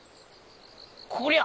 こりゃ！